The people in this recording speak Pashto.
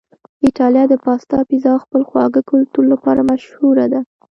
ایتالیا د پاستا، پیزا او خپل خواږه کلتور لپاره مشهوره ده.